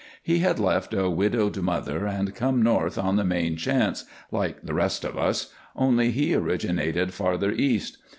He had left a widowed mother and come north on the main chance, like the rest of us, only he originated farther east.